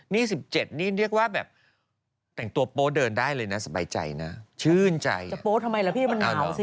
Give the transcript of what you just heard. พี่กลับป๊ะโอ๊ยตายแล้ว